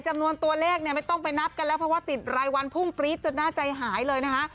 จำนวนตัวเลขเนี่ยไม่ต้องไปนับกันแล้วเพราะว่าติดรายวันพุ่งปรี๊ดจนน่าใจหายเลยนะคะ